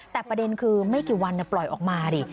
แต่ประเด็นคือไม่กี่วันปล่อยออกมาดิ